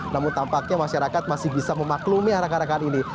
namun tampaknya masyarakat masih bisa memaklumi arak arakan ini